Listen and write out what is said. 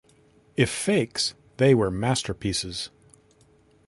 If fakes, they were masterpieces.